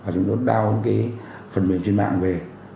chúng tôi đã đao những cái phần mềm trên mạng về